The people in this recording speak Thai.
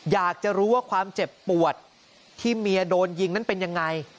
อยากจะรู้ว่าความเจ็บปวดที่เมียโดนยิงนั้นเป็นยังไง